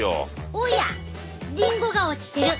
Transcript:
おやリンゴが落ちてる！